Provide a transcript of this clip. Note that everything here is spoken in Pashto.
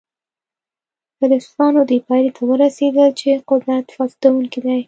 فلسفیانو دې پایلې ته ورسېدل چې قدرت فاسدونکی دی.